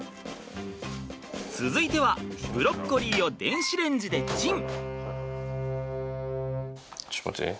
続いてはブロッコリーを電子レンジでチン。